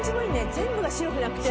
全部が白くなくて。